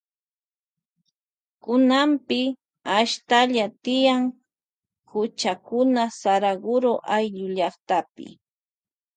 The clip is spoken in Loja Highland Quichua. Kunapi ashtalla tiyan huchakuna Saraguroayllu llaktapi.